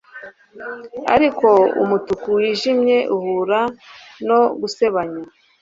Ariko umutuku wijimye uhura no gusebanya